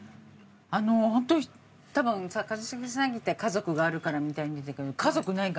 本当に多分さ一茂さん「家族があるから」みたいに言ってたけど家族いないからさ。